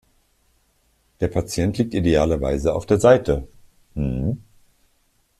Der Patient liegt idealerweise auf der Seite.